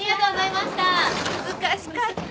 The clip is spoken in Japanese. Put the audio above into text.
難しかった。